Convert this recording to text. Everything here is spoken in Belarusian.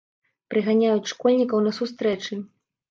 Прыганяюць школьнікаў на сустрэчы.